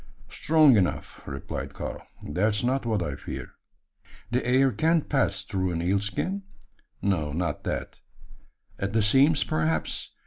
"Strong enough," replied Karl. "That's not what I fear." "The air can't pass through an eel skin?" "No not that." "At the seams, perhaps?